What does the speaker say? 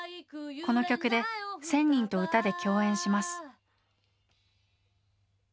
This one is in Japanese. この曲で１，０００人と歌で共演します。